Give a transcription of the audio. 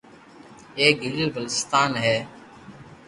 ايڪ گلگيت بلچستان ھي